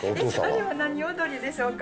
あれは何踊りでしょうか？